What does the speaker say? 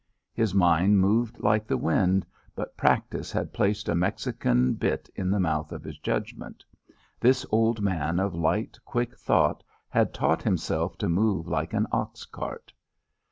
His mind moved like the wind, but practice had placed a Mexican bit in the mouth of his judgment. This old man of light quick thought had taught himself to move like an ox cart.